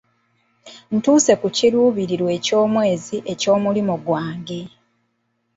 Ntuuse ku kiruubirirwa eky'omwezi eky'omulimu gwange.